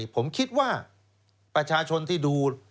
ผมคิดว่าประชาชนที่ดู